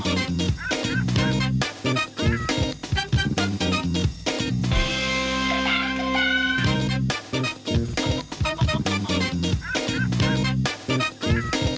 โปรดติดตามตอนต่อไป